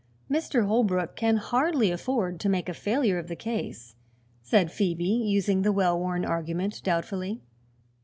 "Mr. Holbrook can hardly afford to make a failure of the case," said Phoebe, using the well worn argument doubtfully.